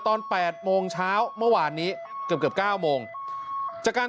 แปดโมงเช้าเมื่อวานนี้เกือบเกือบเก้าโมงจากการ